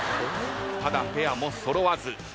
ただペアも揃わず。